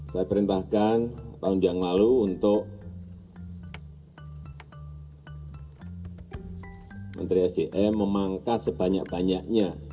saya perintahkan tahun yang lalu untuk menteri sdm memangkas sebanyak banyaknya